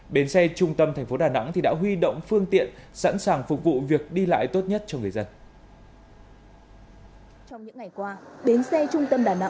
bến xe trung tâm thành phố đà nẵng đã huy động phương tiện sẵn sàng phục vụ việc đi lại tốt nhất cho người dân